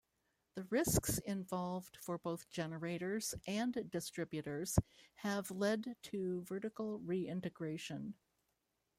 The risks involved for both generators and distributors have led to vertical re-integration.